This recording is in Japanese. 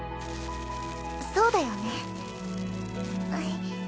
そうだよね